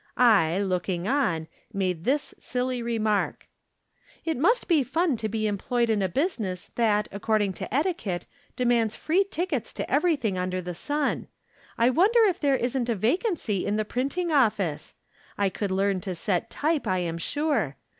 I, looking on, made this silly remark :" It must be fun to be employed in a business that, according to etiquette, demands free tickets to everytliing under the sun. I wonder if there isn't a vacancy in the printing office ? I could learn to set type, I am sure.